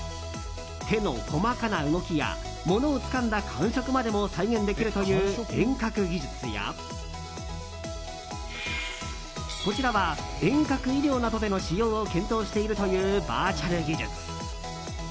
手の細かな動きや物をつかんだ感触までも再現できるという遠隔技術やこちらは遠隔医療などでの使用を検討しているというバーチャル技術。